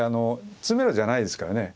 詰めろじゃないですからね。